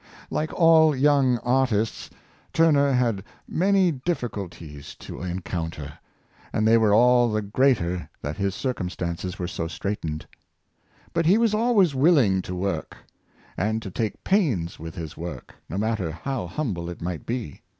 Like all young artists^ Turner had many difficulties to 22 338 Benvtmdo Cellmi, encounter, and they were all the greater that his circum stances were so straitened. But he was always willing to work, and to take pains with his work, no matter how humble it might be.